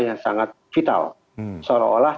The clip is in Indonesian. yang sangat vital seolah olah